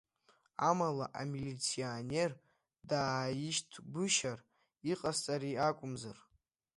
Амала, амилиционер дааишьҭгәышьар, иҟасҵари акәымзар…